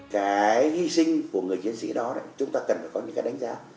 cái hy sinh của người chiến sĩ đó chúng ta cần phải có những cái đánh giá